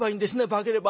化ければ。